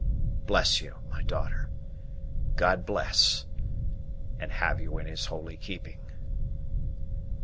Bless you, my daughter! God bless, and have you in His holy keeping!"